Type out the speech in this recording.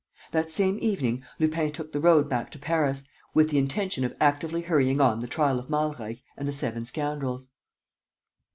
That same evening, Lupin took the road back to Paris, with the intention of actively hurrying on the trial of Malreich and the seven scoundrels.